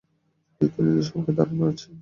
রীতিনীতি সম্পর্কে ধারণা আছে।